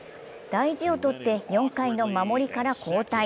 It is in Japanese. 大事を取って４回の守りから交代。